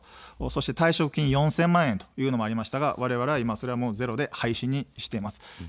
そして退職金４０００万円というのがありましたがわれわれはいま、ゼロで廃止にしています。